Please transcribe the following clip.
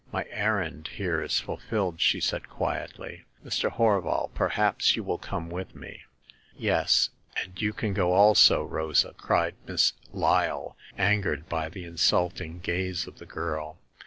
" My errand here is fulfilled,*' she said, quietly, " Mr. Horval, perhaps you will come with me." " Yes, and you can go also, Rosa," cried Miss Lyle, angered by the insulting gaze of the girl.